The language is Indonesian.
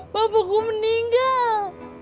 bapak gue meninggal